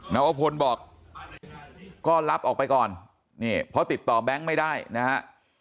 นวพลบอกก็รับออกไปก่อนนี่เพราะติดต่อแบงค์ไม่ได้นะฮะ